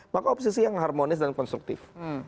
maka oposisi yang harmonis dan konstruktif